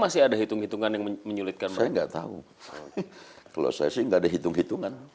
masih ada hitung hitungan yang menyulitkan mereka enggak tahu kalau saya sih enggak ada hitung hitungan